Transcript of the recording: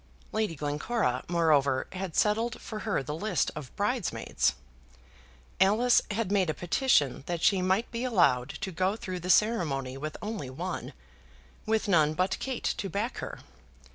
Lady Glencora, moreover, had settled for her the list of bridesmaids. Alice had made a petition that she might be allowed to go through the ceremony with only one, with none but Kate to back her.